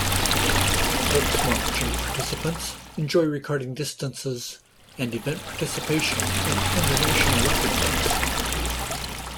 Volksmarching participants enjoy recording distances and event participation in international record books.